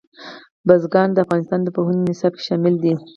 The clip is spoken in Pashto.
بزګان د افغانستان د پوهنې نصاب کې شامل دي.